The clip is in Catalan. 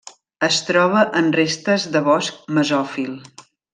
Es troba en restes de bosc mesòfil.